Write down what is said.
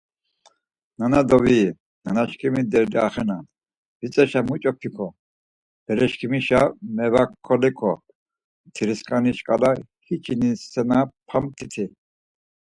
Nana doviyi, nanaşǩimi derdi axenan Vitzeşa, muç̌o p̌iǩo, bereşǩimişa mevaxoliǩo… Mtirisǩani şǩala hiç̌i nisinapamt̆iti?